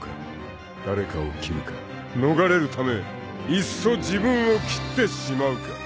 ［誰かを斬るか逃れるためいっそ自分を斬ってしまうか］